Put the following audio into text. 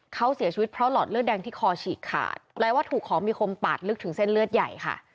เขาเสียชีวิตเพราะหลอดเลือดแดงที่คอฉีกขาดแปลว่าถูกของมีคมปาดลึกถึงเส้นเลือดใหญ่ค่ะ